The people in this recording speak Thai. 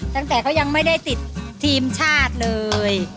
ตั้งแต่เขายังไม่ได้ติดทีมชาติเลย